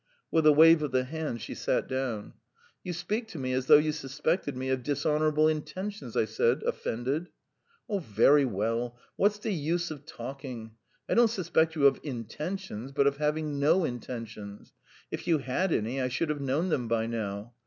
With a wave of the hand she sat down. "You speak to me as though you suspected me of dishonourable intentions," I said, offended. "Oh, very well. What's the use of talking! I don't suspect you of intentions, but of having no intentions. If you had any, I should have known them by now.